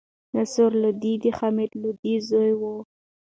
نصر لودي د حمید لودي زوی وو.